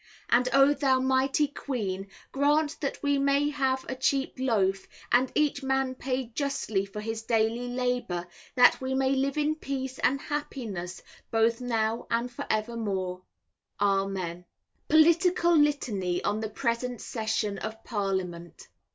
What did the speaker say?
And O thou mighty Queen, grant that we may have a cheap loaf, and each man paid justly for his daily labour, that we may live in peace and happiness both now and for evermore. Amen. Printed for Author and Vendor. POLITICAL LITANY On the Present Session of Parliament.